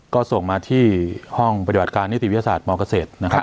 ก็ส่งมาที่ห้องปฏิบัติการนิติวิทยาศาสตร์มเกษตรนะครับ